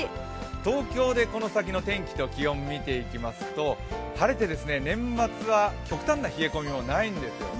東京でこの先の天気と気温を見ていくと晴れて、年末は極端な冷え込みもないんですよね。